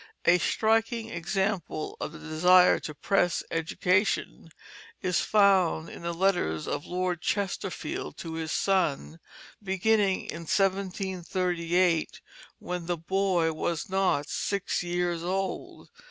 A striking example of the desire to press education is found in the letters of Lord Chesterfield to his son, beginning in 1738, when the boy was not six years old.